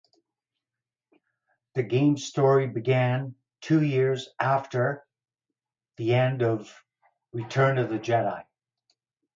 The game's story began two years after the end of "Return of the Jedi".